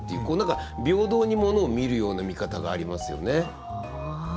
こう何か平等にものを見るような見方がありますよね。